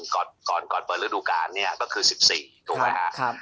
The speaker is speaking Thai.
เมื่อฐานระดูกการเนี่ยก็คือ๑๔ถูกไหมค่ะ